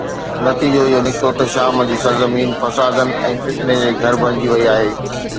نتيجو اهو نڪتو ته شام جي سرزمين فسادن ۽ فتني جي گهر بڻجي وئي آهي.